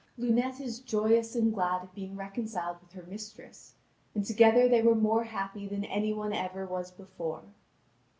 Now Lunete is joyous and glad at being reconciled with her mistress, and together they were more happy than any one ever was before.